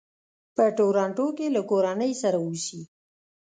په ټورنټو کې له کورنۍ سره اوسي.